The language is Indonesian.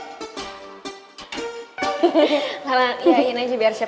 lalu ya ini aja biar siap